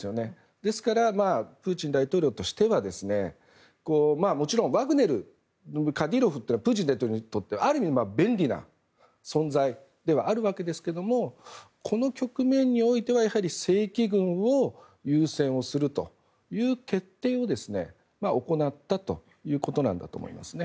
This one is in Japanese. ですからプーチン大統領としてはもちろんワグネルとカディロフというのはプーチン大統領にとってはある意味便利なものであるんですが正規軍を優先をするという決定を行ったということなんだと思いますね。